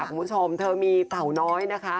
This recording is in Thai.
คุณผู้ชมเธอมีเต่าน้อยนะคะ